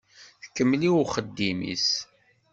Tkemmel i uxeddim-is.